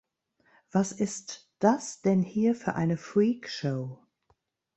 Was ist das denn hier für eine Freakshow?